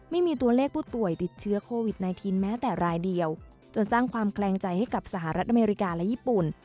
ไม่มีตัวเลขผู้ป่วยติดเชื้อโควิด๑๙แม้แต่รายเดียวจนสร้างความแคลงใจให้กับสหรัฐอเมริกาและญี่ปุ่น